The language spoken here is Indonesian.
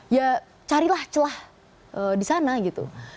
ya carilah celah di sana gitu